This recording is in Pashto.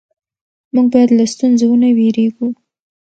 موږ باید له ستونزو ونه وېرېږو